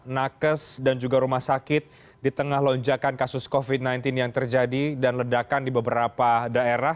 nakes dan juga rumah sakit di tengah lonjakan kasus covid sembilan belas yang terjadi dan ledakan di beberapa daerah